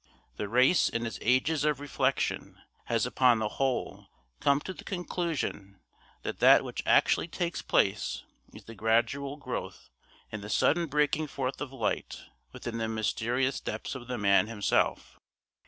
The race in its ages of reflection has upon the whole come to the conclusion that that which actually takes place is the gradual growth and the sudden breaking forth of light within the mysterious depths of the man himself.